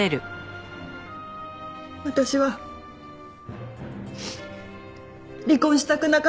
私は離婚したくなかったんです。